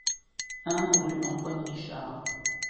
un rue Antoine Richard